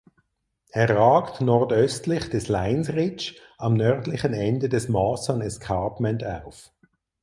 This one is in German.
Er ragt nordöstlich des Lines Ridge am nördlichen Ende des Mawson Escarpment auf.